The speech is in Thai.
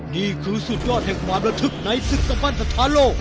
นี่คือสุดยอดแห่งความระทึกในศึกกฟันศรัทธาโลก